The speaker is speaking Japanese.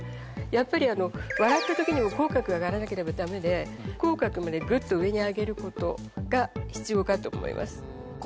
やっぱり笑ったときにも口角が上がらなければダメで口角までグッと上に上げることが必要かと思います